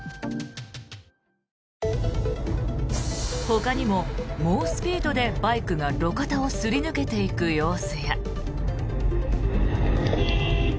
ほかにも猛スピードでバイクが路肩をすり抜けていく様子や。